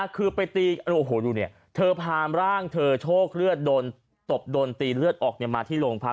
คือไปตีโอ้โหดูเนี่ยเธอพาร่างเธอโชคเลือดโดนตบโดนตีเลือดออกมาที่โรงพัก